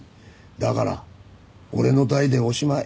だから俺の代でおしまい。